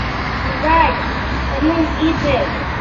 Изай, Санум ите...